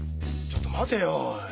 ちょっと待てよおい。